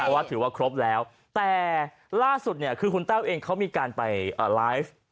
ก็ถือว่าครบแล้วแต่ล่าสุดคุณแต้วเองก็มีการไปไลฟ์